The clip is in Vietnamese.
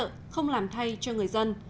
trăm chỉ hỗ trợ không làm thay cho người dân